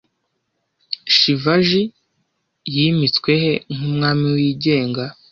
Shivaji yimitswe he nk'umwami wigenga